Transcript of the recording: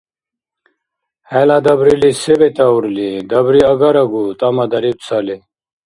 — ХӀела дабрилис се бетаурли? Дабри агарагу! — тӀамадариб цали.